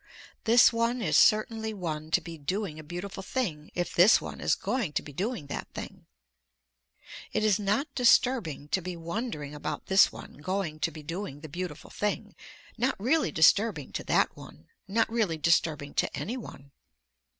This one is certainly one to be doing a beautiful thing if this one is going to be doing that thing. It is not disturbing to be wondering about this one going to be doing the beautiful thing, not really disturbing to that one, not really disturbing to any one.